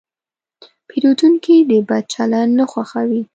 پیرودونکی د بد چلند نه خوښوي.